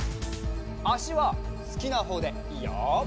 あしはすきなほうでいいよ。